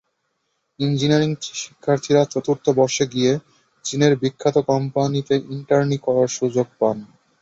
Engineering শিক্ষার্থীরা চতুর্থ বর্ষে গিয়ে চীনের বিখ্যাত কোম্পানিতে ইন্টার্নি করার সুযোগ পান।